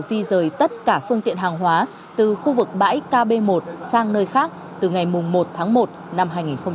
di rời tất cả phương tiện hàng hóa từ khu vực bãi kb một sang nơi khác từ ngày một tháng một năm hai nghìn hai mươi